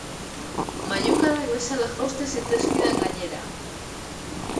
Mailukadak bezala jausten zitzaizkidan gainera.